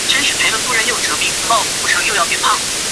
冷链品质指标所订定的统一规范准则。